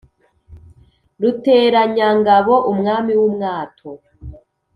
Ruteranyangabo umwami w’umwato